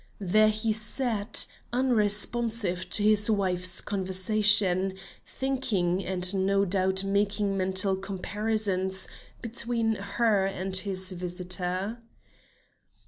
There he sat, unresponsive to his wife's conversation, thinking, and no doubt making mental comparisons between her and his visitor.